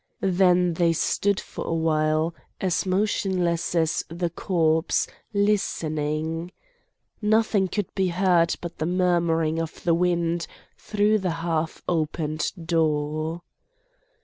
Then they stood for a while, as motionless as the corpse, listening. Nothing could be heard but the murmuring of the wind through the half opened door.